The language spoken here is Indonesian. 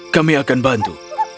kami akan bantu